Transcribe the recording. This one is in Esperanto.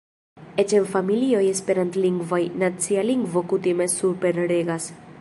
Eĉ en familioj Esperantlingvaj, nacia lingvo kutime superregas.